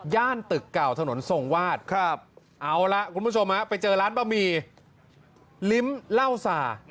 ตึกเก่าถนนทรงวาดครับเอาล่ะคุณผู้ชมไปเจอร้านบะหมี่ลิ้มเหล้าสา